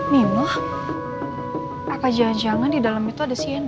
mino apa jangan jangan di dalam itu ada sienna